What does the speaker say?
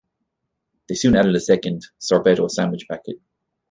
They soon added a second, "Sorbetto Sandwich Packet".